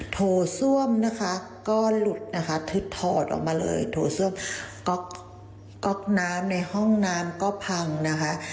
โถส้วมนะคะก็หลุดนะคะทึบถอดออกมาเลยโถส้วมก๊อกน้ำในห้องน้ำก็พังนะคะ